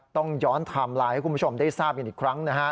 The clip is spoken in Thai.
ต้องย้อนไทม์ไลน์ให้คุณผู้ชมได้ทราบกันอีกครั้งนะฮะ